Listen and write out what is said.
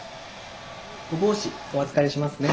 お帽子お預かりしますね。